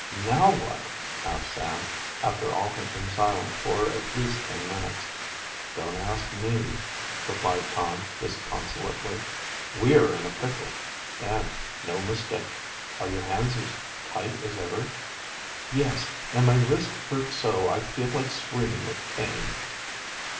"Now what?" asked Sam, after all had been silent for at least ten minutes. "Don't ask me," replied Tom disconsolately. "We're in a pickle, and no mistake. Are your hands as tight as ever?" "Yes, and my wrists hurt so I feel like screaming with pain."